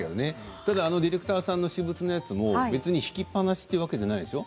ただディレクターさんの私物も敷きっぱなしというわけではないでしょう？